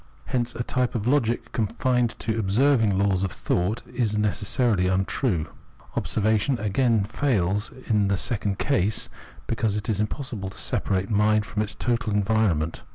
Hence a type of logic confined to "observing" laws of thought is necessarily untrue. Observation again fails in the second case because it is impossible to separate mind from its total environment.